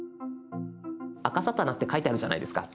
「あかさたな」って書いてあるじゃないですか。